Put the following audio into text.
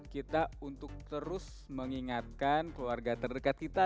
kita untuk terus mengingatkan keluarga terdekat kita